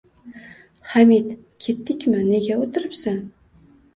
Hamid, ketdikmi, nega o‘tiribsan